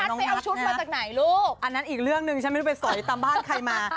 น้องนัทนะอันนั้นอีกเรื่องหนึ่งฉันไม่รู้ไปสวยตามบ้านใครมา